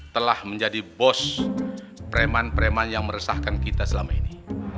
telah menjadi bos preman preman yang meresahkan kita selama ini